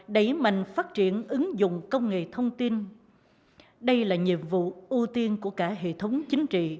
đẩy mạnh phát triển ứng dụng công nghệ thông tin đây là nhiệm vụ ưu tiên của cả hệ thống chính trị